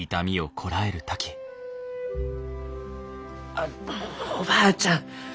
あおばあちゃん！